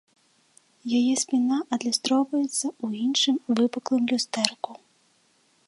Яе спіна адлюстроўваецца ў іншым, выпуклым, люстэрку.